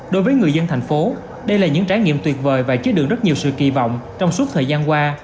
đối với người dân thành phố đây là những trải nghiệm tuyệt vời và chứa được rất nhiều sự kỳ vọng trong suốt thời gian qua